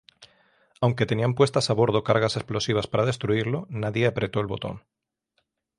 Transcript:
Aunque tenían puestas a bordo cargas explosivas para destruirlo, nadie apretó el botón.